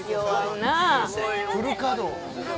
フル稼働。